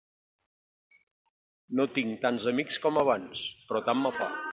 No tinc tants amics com abans, però tant me fa.